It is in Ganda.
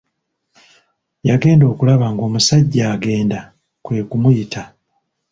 Yagenda okulaba ng'omusajja agenda kwe kumuyita.